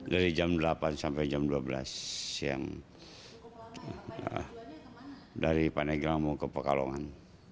dari jam delapan sampai jam dua belas siang dari panegramo ke pekalongan